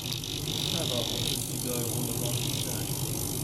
Trevor offers to go on the run with Zach.